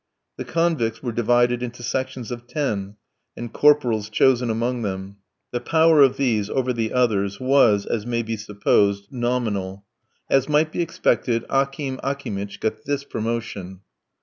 The convicts were divided into sections of ten, and corporals chosen among them; the power of these over the others was, as may be supposed, nominal. As might be expected, Akim Akimitch got this promotion.